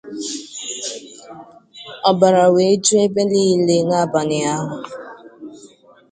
ọbara wee ju ebe niile n'abalị ahụ